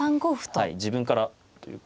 はい自分からというか。